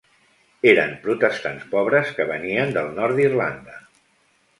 Eren protestants pobres que venien del nord d'Irlanda.